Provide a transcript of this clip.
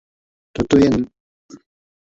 To je nepochybně případ zemí, kterými se zde zabýváme.